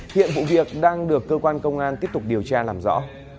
hiện vụ việc đang được cơ quan công an tiếp tục điều tra làm rõ